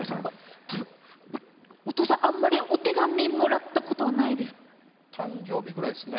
お父さん、あんまりお手紙も誕生日ぐらいですね。